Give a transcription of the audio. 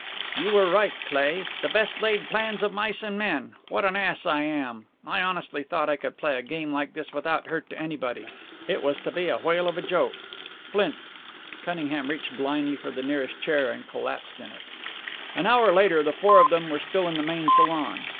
"You were right, Cleigh. The best laid plans of mice and men! What an ass I am! I honestly thought I could play a game like this without hurt to anybody. It was to be a whale of a joke. Flint " Cunningham reached blindly for the nearest chair and collapsed in it. An hour later. The four of them were still in the main salon.